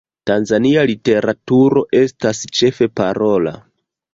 Tanzania literaturo estas ĉefe parola.